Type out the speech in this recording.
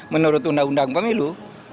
menurut undang undang pemilu